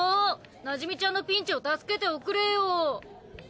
なじみちゃんのピンチを助けておくれよ！